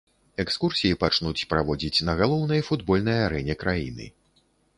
Экскурсіі пачнуць праводзіць на галоўнай футбольнай арэне краіны.